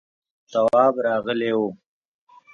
تواب غلی و…